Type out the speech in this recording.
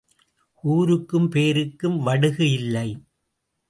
ஊருக்கும் பேருக்கும் வடுகு இல்லை.